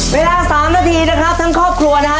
เวลา๓นาทีทั้งครอบครัว